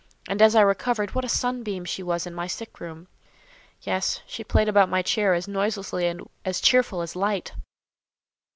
And as I recovered, what a sunbeam she was in my sick room! Yes; she played about my chair as noiselessly and as cheerful as light.